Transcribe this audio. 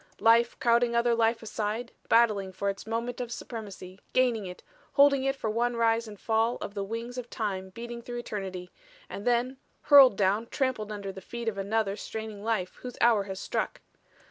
"Life crowding other life aside, battling for its moment of supremacy, gaining it, holding it for one rise and fall of the wings of time beating through eternity and then hurled down, trampled under the feet of another straining life whose hour has struck.